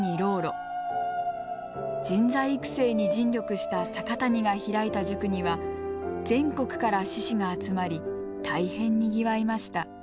人材育成に尽力した阪谷が開いた塾には全国から志士が集まり大変にぎわいました。